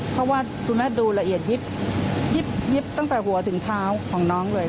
เพราะว่าคุณแม่ดูละเอียดยิบตั้งแต่หัวถึงเท้าของน้องเลย